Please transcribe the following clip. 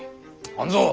半蔵。